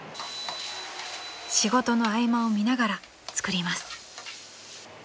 ［仕事の合間を見ながら作ります］